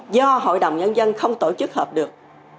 do hội đồng nhân dân không tổ chức hợp được